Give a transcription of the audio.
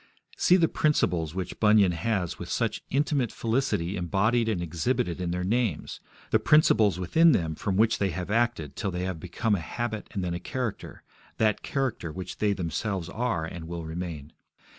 See the principles which Bunyan has with such inimitable felicity embodied and exhibited in their names, the principles within them from which they have acted till they have become a habit and then a character, that character which they themselves are and will remain.